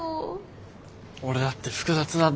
俺だって複雑なんだよ。